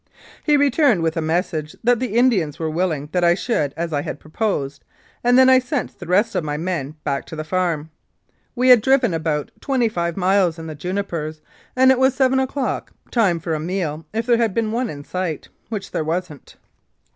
He returned with a message that the Indians were willing that I should do as I had proposed, and I then sent the rest of my men back to the farm. We had driven about twenty five miles in the jumpers, and it was seven o'clock, time for a meal if there had been one in sight, which there wasn't.